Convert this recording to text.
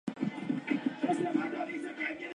El cielo raso de estas naves es plano.